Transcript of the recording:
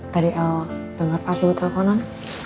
tadi el dengar pas ibu teleponan